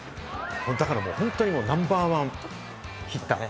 だから本当にナンバーワンヒッター。